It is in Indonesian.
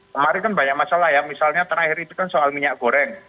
kemarin kan banyak masalah ya misalnya terakhir itu kan soal minyak goreng